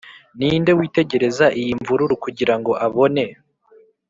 ninde, witegereza iyi mvururu kugirango abone,